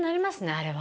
あれは。